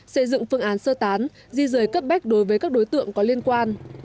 xây dựng phương án sơ tán di rời cấp bách đối với các đối tượng có liên quan